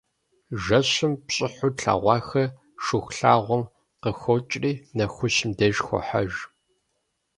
Жэщым пщӏыхьу тлъагъухэр Шыхулъагъуэм къыхокӏри, нэхущым деж хохьэж.